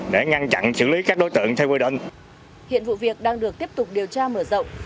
để ngăn chặn xử lý các đối tượng theo quy định hiện vụ việc đang được tiếp tục điều tra mở rộng